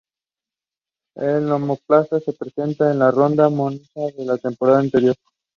Cheng Xia replaced him as the new Chief Clerk of the Right.